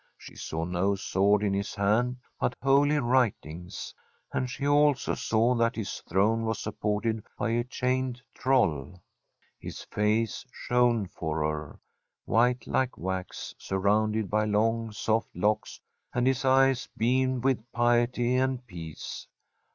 She saw no sword in his hand, but holy writings ; and she also saw that his throne was supported by a chained troll. His face shone for her, white like wax, sur rounded by long, soft locks, and his eyes beamed with piety and peace.